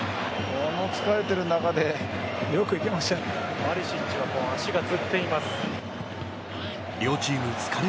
疲れている中でよくいけましたね。